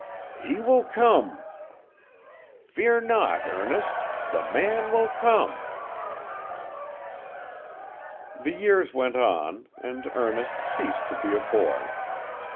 'He will come! Fear not, Ernest; the man will come!' The years went on, and Ernest ceased to be a boy.